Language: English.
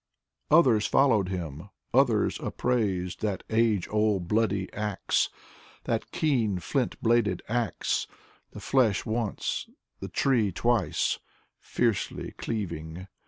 Others followed him, others upraised That age old bloody ax. That keen flint bladed ax: The flesh once. The tree twice Fiercely cleaving.